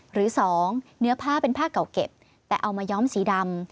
หรือ๒เนื้อผ้าเป็นผ้าเก่าเก็บแต่เอามาย้อมสีดำ